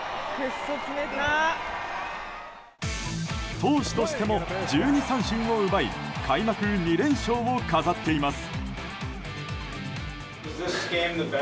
投手としても１２三振を奪い開幕２連勝を飾っています。